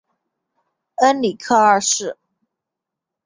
恩里克二世。